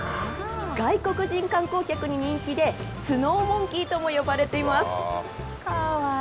外国人観光客に人気で、スノーモンキーとも呼ばれています。